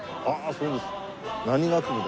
そうですか。